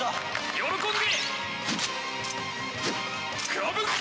喜んで！